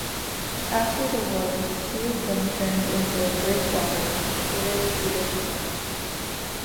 After the war, two of them turned into a breakwater in Kure, Hiroshima.